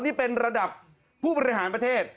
นี่เป็นระดับผู้บริหารประเทศ